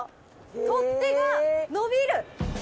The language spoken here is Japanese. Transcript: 取っ手が伸びる。